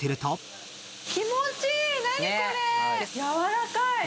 柔らかい。